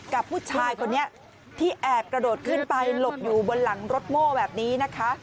กับผู้ชายคนนี้ที่แอบกระโดดขึ้นไปหลบอยู่บนหลังรถโม่แบบนี้นะคะ